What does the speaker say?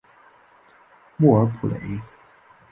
莫尔普雷。